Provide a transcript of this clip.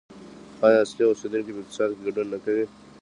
آیا اصلي اوسیدونکي په اقتصاد کې ګډون نه کوي؟